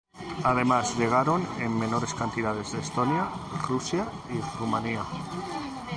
Además, llegaron en menores cantidades de Estonia, Rusia y Rumania.